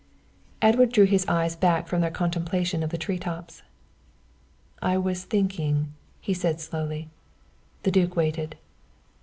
Edward drew his eyes back from their contemplation of the tree tops. "I was thinking," he said slowly. The duke waited.